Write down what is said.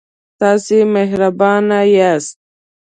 تاسې مهربانه یاست.